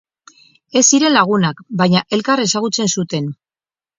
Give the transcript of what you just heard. Ez ziren lagunak, baina elkar ezagutzen zuten.